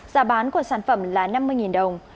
giá bán của sản phẩm là năm mươi đồng